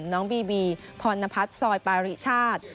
น้องบีบีพรณพัฒน์พลอยปาริชาติ